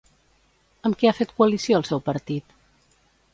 Amb qui ha fet coalició el seu partit?